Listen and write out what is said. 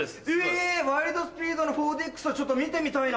『ワイルド・スピード』の４ＤＸはちょっと見てみたいな。